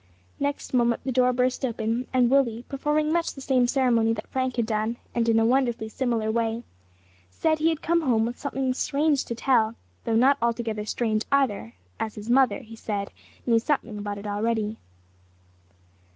Next moment the door burst open and Willie, performing much the same ceremony that Frank had done, and in a wonderfully similar way, said he had come home with something strange to tell, though not altogether strange either, as his mother, he said, knew something about it already.